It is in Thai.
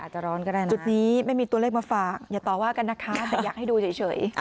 จะร้อนก็ได้นะจุดนี้ไม่มีตัวเลขมาฝากอย่าต่อว่ากันนะคะแต่อยากให้ดูเฉย